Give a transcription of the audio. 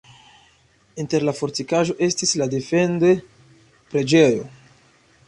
Inter la fortikaĵoj estis la defend-preĝejo.